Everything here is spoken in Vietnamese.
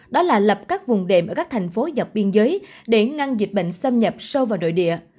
đó là lập các vùng đệm ở các thành phố dọc biên giới để ngăn dịch bệnh xâm nhập sâu vào nội địa